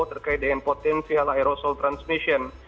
terkait dengan potensial aerosol transmission